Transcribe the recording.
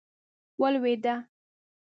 ولوېده.